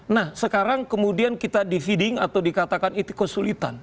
nah sekarang kemudian kita di feeding atau dikatakan itu kesulitan